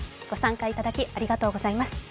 御参加いただきありがとうございます。